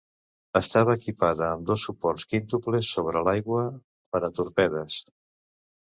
Estava equipada amb dos suports quíntuples sobre l'aigua per a torpedes.